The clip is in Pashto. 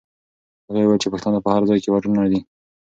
هغې وویل چې پښتانه په هر ځای کې وروڼه دي.